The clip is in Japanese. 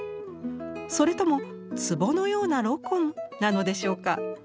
それとも壷のようなロコンなのでしょうか？